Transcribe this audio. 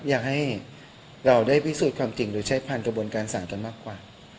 อยากให้เราได้พิสูจน์ความจริงหรือใช้ผ่านกระบวนการสารกันมากกว่า